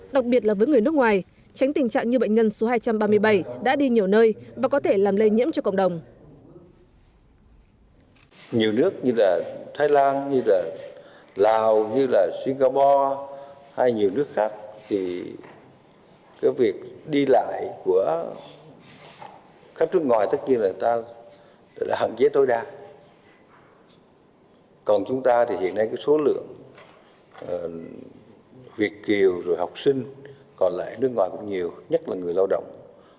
đặc biệt là với người nước ngoài tránh tình trạng như bệnh nhân số hai trăm ba mươi bảy đã đi nhiều nơi và có thể làm lây nhiễm cho cộng đồng